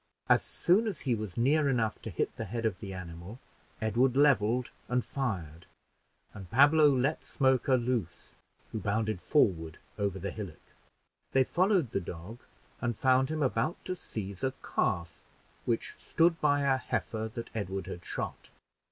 As soon as he was near enough to hit the head of the animal, Edward leveled and fired, and Pablo let Smoker loose, who bounded forward over the hillock. They followed the dog and found him about to seize a calf which stood by a heifer that Edward had shot.